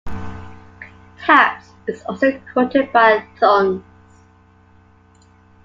"Taps" is also quoted by Thunes.